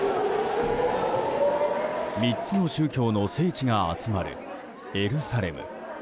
３つの宗教の聖地が集まるエルサレム。